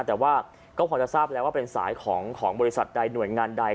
แต่ว่าก็พอจะทราบแล้วว่าเป็นสายของบริษัทใดหน่วยงานใด